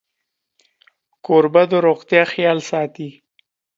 کوربه د روغتیا خیال ساتي.